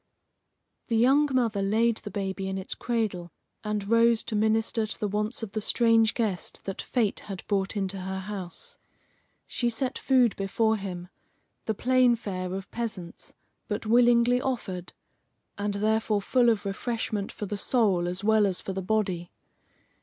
The young mother laid the baby in its cradle, and rose to minister to the wants of the strange guest that fate had brought into her house. She set food before him, the plain fare of peasants, but willingly offered, and therefore full of refreshment for the soul as well as for the body.